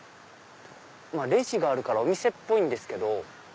レジがあるからお店っぽいんですけど。